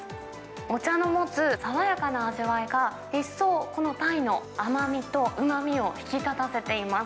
お茶の持つ爽やかな味わいが、一層このタイの甘みとうまみを引き立たせています。